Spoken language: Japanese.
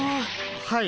はい。